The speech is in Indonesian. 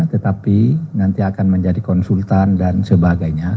tetapi nanti akan menjadi konsultan dan sebagainya